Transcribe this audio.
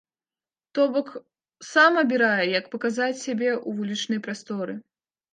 То бок, сам абірае, як паказаць сябе ў вулічнай прасторы.